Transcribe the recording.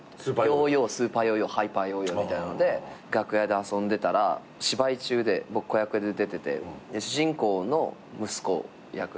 ヨーヨースーパーヨーヨーハイパーヨーヨーみたいので楽屋で遊んでたら芝居中で僕子役で出てて主人公の息子役で。